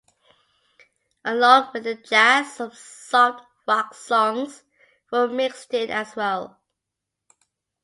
Along with the jazz, some soft rock songs were mixed in as well.